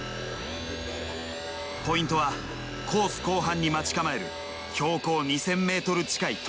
ポイントはコース後半に待ち構える標高２，０００ｍ近い峠。